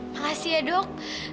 makasih ya dok